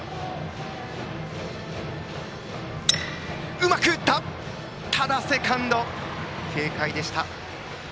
うまく打ったがセカンド、軽快でした。